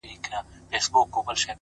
سیاه پوسي ده! ماسوم یې ژاړي!